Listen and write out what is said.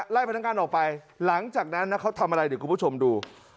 พนักงานออกไปหลังจากนั้นนะเขาทำอะไรเดี๋ยวคุณผู้ชมดู